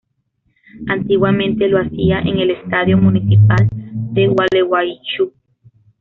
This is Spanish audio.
Antiguamente lo hacía en el Estadio Municipal de Gualeguaychú.